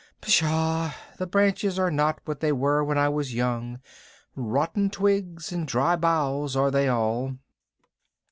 Psshaw! The branches are not what they were when I was young. Rotten twigs and dry boughs are they all."